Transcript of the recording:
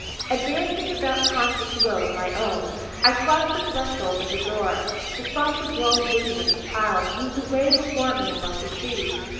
Advancing without conscious will of my own, I crossed the threshold of the door. The softly glowing vision of the child moved away before me among the trees.